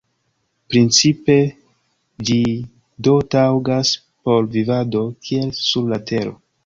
Principe ĝi do taŭgas por vivado, kiel sur la Tero.